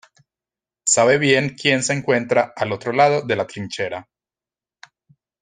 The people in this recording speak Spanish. sabe bien quién se encuentra al otro lado de la trinchera